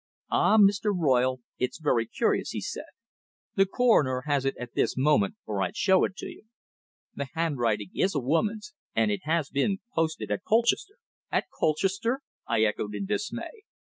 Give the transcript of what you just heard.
"Ah! Mr. Royle. It's very curious," he said. "The Coroner has it at this moment, or I'd show it to you. The handwriting is a woman's, and it has been posted at Colchester." "At Colchester!" I echoed in dismay.